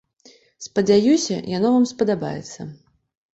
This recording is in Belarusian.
Спадзяюся, яно вам спадабаецца.